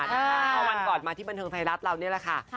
วันก่อนมาที่บรรเทิงไฟรัสเราเนี่ยแหละค่ะ